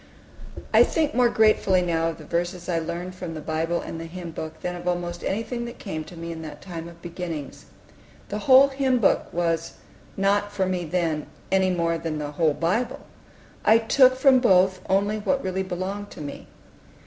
I think more gratefully now of the verses I learned from the Bible and the Hymn Book than of almost anything that came to me in that time of beginnings. The whole Hymn Book was not for me then, any more than the whole Bible. I took from both only what really belonged to me.